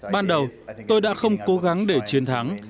ban đầu tôi đã không cố gắng để chiến thắng